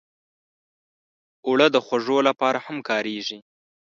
اوړه د خوږو لپاره هم کارېږي